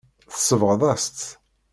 Tsebɣeḍ-as-tt.